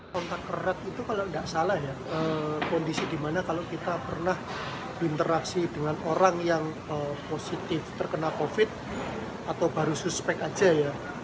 kontak erat itu kalau tidak salah ya kondisi dimana kalau kita pernah berinteraksi dengan orang yang positif terkena covid atau baru suspek aja ya